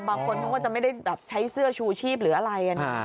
บางคนคงว่าจะไม่ได้ใช้เสื้อชูอาชีพหรืออะไร